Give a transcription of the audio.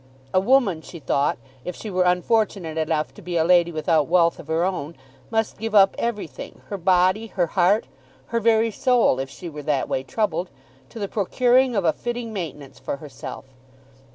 A woman, she thought, if she were unfortunate enough to be a lady without wealth of her own, must give up everything, her body, her heart, her very soul if she were that way troubled, to the procuring of a fitting maintenance for herself.